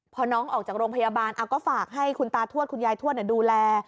พอน้องออกจากโรงพยาบาลก็ฝากให้คุณตาทวดคุณยายทวดดูแล